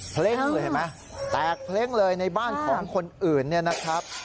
เพลงเลยเห็นไหมแตกเพลงเลยในบ้านของคนอื่นเนี่ยนะครับ